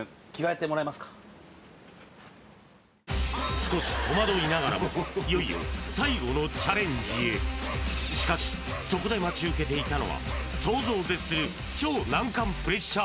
少し戸惑いながらもいよいよ最後のチャレンジへしかしそこで待ち受けていたのは想像を絶する超難関プレッシャー